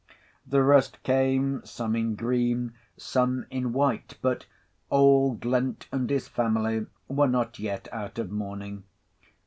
The rest came, some in green, some in white—but old Lent and his family were not yet out of mourning.